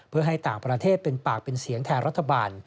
เพื่อให้ต่างประเทศเป็นปากเป็นเสียงแทนรัฐบาล